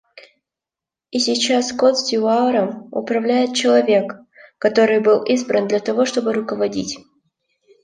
И сейчас Кот-д'Ивуаром управляет человек, который был избран, для того чтобы руководить.